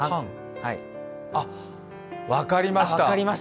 あっ、分かりました。